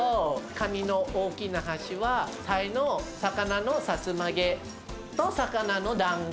カニの大きな足はタイの魚のさつま揚げと魚の団子。